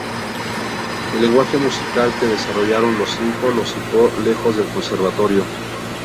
El lenguaje musical que desarrollaron Los Cinco los situó lejos del Conservatorio.